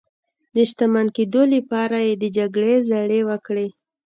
د شتمن کېدو لپاره یې د جګړې زړي وکرل.